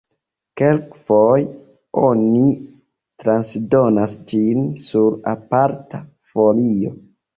Kelkfoje oni transdonas ĝin sur aparta folio.